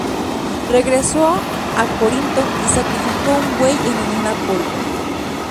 Regresó a Corinto y sacrificó un buey en honor a Apolo.